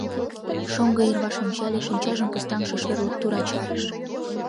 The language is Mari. Шоҥго йырваш ончале, шинчажым пустаҥше шӧрлык тура чарыш.